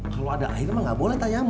kalau ada air memang tidak boleh tayamum